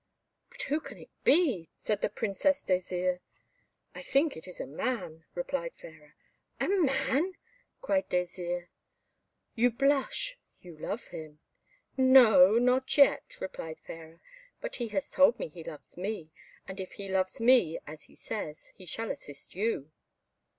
"But who can it be?" said the Princess Désirs. "I think it is a man," replied Fairer. "A man!" cried Désirs. "You blush you love him!" "No, not yet," replied Fairer; "but he has told me he loves me; and if he loves me as he says, he shall assist you."